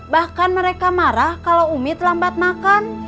bahkan mereka marah kalau umi terlambat makan